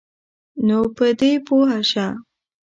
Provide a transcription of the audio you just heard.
نو په دی پوهه شه